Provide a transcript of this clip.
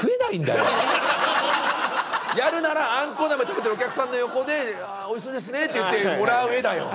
やるならあんこう鍋食べてるお客さんの横でおいしそうですねって言ってもらう絵だよ。